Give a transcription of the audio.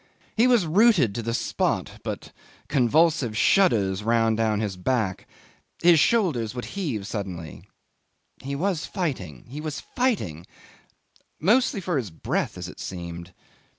He was rooted to the spot, but convulsive shudders ran down his back; his shoulders would heave suddenly. He was fighting, he was fighting mostly for his breath, as it seemed.